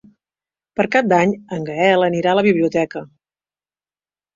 Per Cap d'Any en Gaël anirà a la biblioteca.